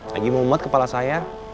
lagi mau umat kepala saya